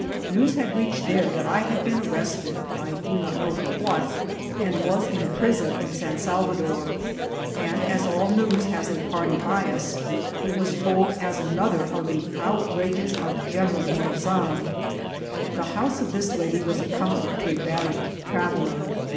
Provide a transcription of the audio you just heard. News had reached there that I had been arrested (I do not know £(» iriiat), and was in priscm in San Salvador; and as aU news had a party bias, it was told as another of the outrages of Qeneral M<maan. The house of this lady was a comfert to a battered travdler.